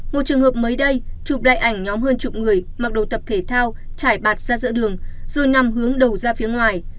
một trường hợp mới đây chụp lại ảnh nhóm hơn chục người mặc đồ tập thể thao trải bạt ra giữa đường rồi nằm hướng đầu ra phía ngoài